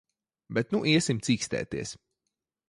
Bet nu iesim cīkstēties.